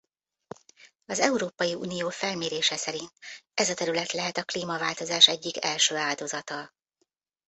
Az Európai Unió felmérése szerint ez a terület lehet a klímaváltozás egyik első áldozata.